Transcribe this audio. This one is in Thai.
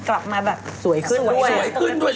กลับมาแบบสวยขึ้นด้วย